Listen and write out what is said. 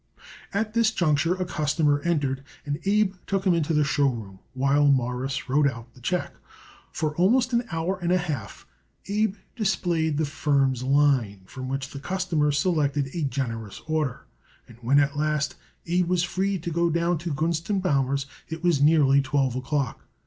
At this juncture a customer entered, and Abe took him into the show room, while Morris wrote out the check. For almost an hour and a half Abe displayed the firm's line, from which the customer selected a generous order, and when at last Abe was free to go down to Gunst & Baumer's it was nearly twelve o'clock.